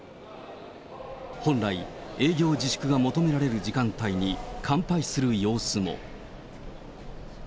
本来、営業自粛が求められる時間帯に乾杯する様子も。